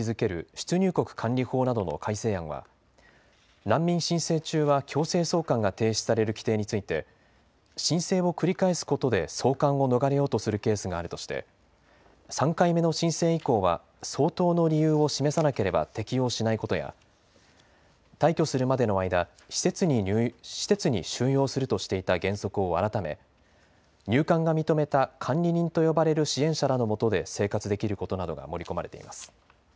出入国管理法などの改正案は難民申請中は強制送還が停止される規定について申請を繰り返すことで送還を逃れようとするケースがあるとして３回目の申請以降は相当の理由を示さなければ適用しないことや退去するまでの間、施設に収容するとしていた原則を改め入管が認めた監理人と呼ばれる支援者らのもとで生活できることなどが盛り込まれています。